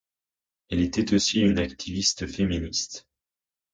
Elle était aussi une activiste féministe.